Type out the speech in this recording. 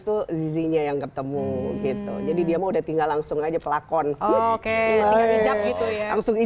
tuh zizinya yang ketemu gitu jadi dia mau udah tinggal langsung aja pelakon oke langsung